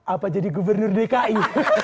apa jadi gubernur dki